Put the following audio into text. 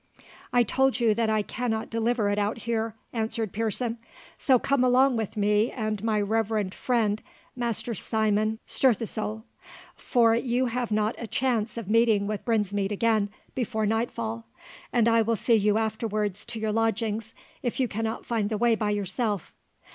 "I told you that I cannot deliver it out here," answered Pearson; "so come along with me and my reverend friend, Master Simon Stirthesoul; for you have not a chance of meeting with Brinsmead again before nightfall; and I will see you afterwards to your lodgings, if you cannot find the way by yourself."